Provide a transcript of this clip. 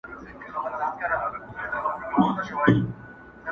د اهریمن د اولادونو زانګو!.